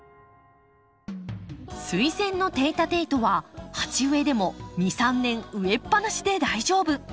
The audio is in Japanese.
スイセンのテイタテイトは鉢植えでも２３年植えっぱなしで大丈夫！